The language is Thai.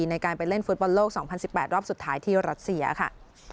ในการไปเล่นฟุตบอลโลก๒๐๑๘รอบสุดท้ายที่รัสเซียค่ะ